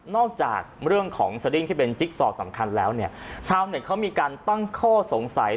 จากเรื่องของสดิ้งที่เป็นจิ๊กซอกสำคัญแล้วเนี่ยชาวเน็ตเขามีการตั้งข้อสงสัย